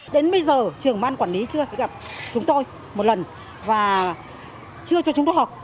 đến bây giờ trường ban quản lý chưa gặp chúng tôi một lần và chưa cho chúng tôi học